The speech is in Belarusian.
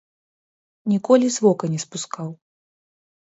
Ніколі з вока не спускаў.